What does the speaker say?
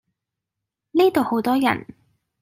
呢度好多人